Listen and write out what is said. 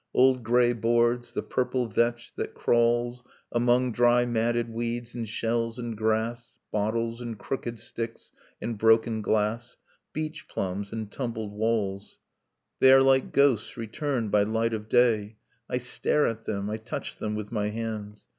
Old grey boards, the purple vetch that crawls Among dry matted weeds and shells and grass, Bottles, and crooked sticks, and broken glass. Beach plums and tumbled walls — 124] Meditation on a June Evening They are like ghosts returned by light of day, I stare at them, I touch them with my hands.